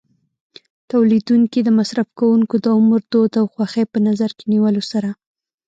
تولیدوونکي د مصرف کوونکو د عمر، دود او خوښۍ په نظر کې نیولو سره.